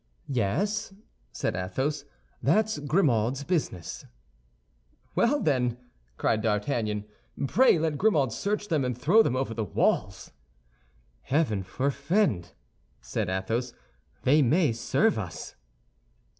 "Yes," said Athos, "that's Grimaud's business." "Well, then," cried D'Artagnan, "pray let Grimaud search them and throw them over the walls." "Heaven forfend!" said Athos; "they may serve us."